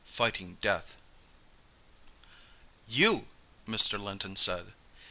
FIGHTING DEATH "You!" Mr. Linton said.